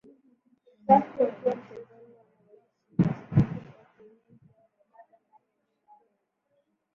usafi wakiwa mchezoni Wanaoishi na kuku wa kienyeji au mabata ndani ya nyumba moja